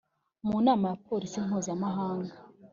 mu nama ya polisi mpuzamahanga